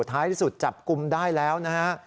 ท้ายที่สุดจับกลุ่มได้แล้วนะฮะ